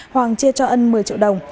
hoàng chia cho ân một mươi triệu đồng